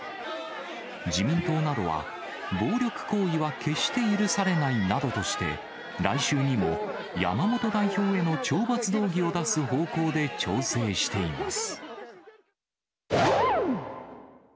自民党などは、暴力行為は決して許されないなどとして、来週にも山本代表への懲罰動議を出す方向で調整しています。